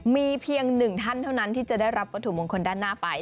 มีเพียงหนึ่งท่านเท่านั้นที่จะได้รับวัตถุมงคลด้านหน้าไป